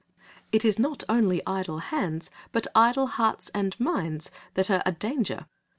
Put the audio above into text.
It is not only idle hands, but idle hearts and minds that are a danger.